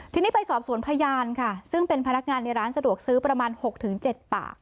ทีนี้ไปสอบสวนพยานค่ะซึ่งเป็นพนักงานในร้านสะดวกซื้อประมาณ๖๗ปาก